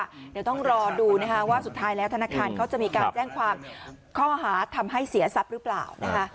เดี๋ยวต้องรอดูนะคะว่าสุดท้ายแล้วธนาคารเขาจะมีการแจ้งความข้อหาทำให้เสียทรัพย์หรือเปล่านะคะ